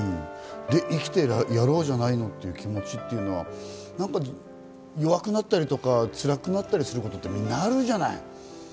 生きてやろうじゃないのという気持ちというのは、弱くなったりとか、つらくなったりするときって、みんなあるじゃない。